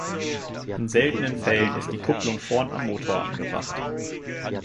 In seltenen Fällen ist die Kupplung vorn am Motor angebracht.